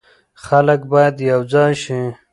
خلک باید یو ځای شي.